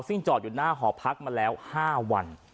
ซึ่งจอดอยู่หน้าหอพักมาแล้ว๕วัน